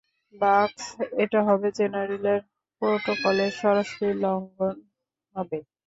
বাগস, এটা হবে জেনারেলের প্রটোকলের সরাসরি লঙ্ঘন হবে!